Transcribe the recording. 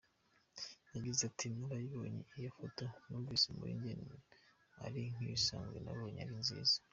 Yagize ati “Narayibonye iyo foto, numvise muri njye ari nk’ibisanzwe, nabonye ari nziza.